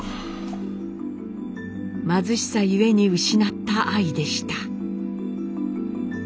貧しさゆえに失った愛でした。